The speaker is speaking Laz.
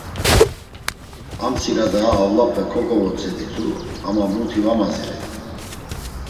Amtsika daa avlape kogovotzeditu, ama muti va mazirey.